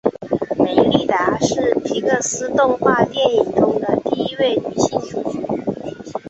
梅莉达是皮克斯动画电影中的第一位女性主角。